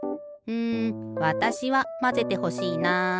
うんわたしはまぜてほしいな。